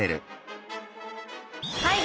はい。